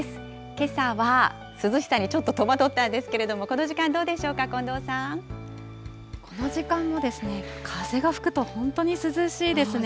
けさは、涼しさにちょっと戸惑ったんですけれども、この時間どうでしょうこの時間もですね、風が吹くと本当に涼しいですね。